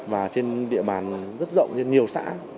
và trên địa bàn rất rộng nhiều xã